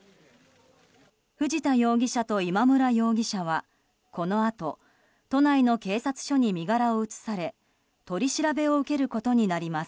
藤田容疑者と今村容疑者はこのあと都内の警察署に身柄を移され取り調べを受けることになります。